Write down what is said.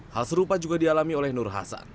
hal serupa juga dialami oleh nur hasan